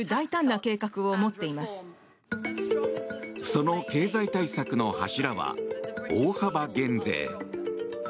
その経済対策の柱は大幅減税。